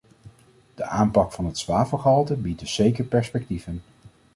De aanpak van het zwavelgehalte biedt dus zeker perspectieven.